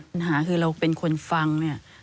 ปัญหาคือเราเป็นคนฟัง